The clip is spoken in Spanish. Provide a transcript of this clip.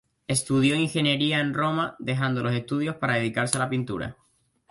Estudió ingeniería en Roma, dejando los estudios para dedicarse a la pintura.